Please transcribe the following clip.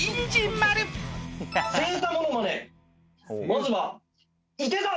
・まずは。